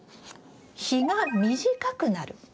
日が短くなる。